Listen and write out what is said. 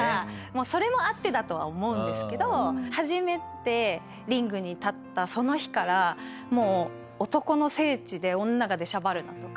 それもあってだとは思うんですけど初めてリングに立ったその日からもう「男の聖地で女が出しゃばるな」とか。